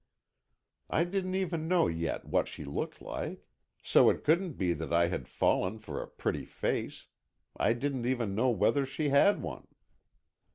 I didn't even know yet what she looked like. So it couldn't be that I had fallen for a pretty face—I didn't even know whether she had one.